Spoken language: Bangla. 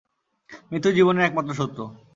মৃত্যুই জীবনের একমাত্র সত্য।